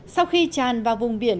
sau khi tràn vào vùng biển